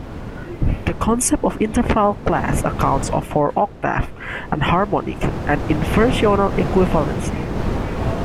The concept of interval class accounts for octave, enharmonic, and inversional equivalency.